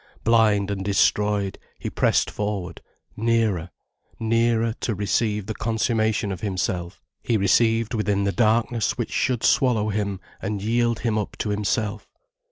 Blind and destroyed, he pressed forward, nearer, nearer, to receive the consummation of himself, he received within the darkness which should swallow him and yield him up to himself.